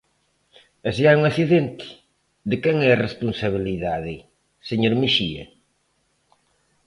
E se hai un accidente, ¿de quen é a responsabilidade, señor Mexía?